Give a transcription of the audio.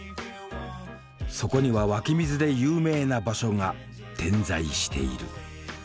そこには湧き水で有名な場所が点在している。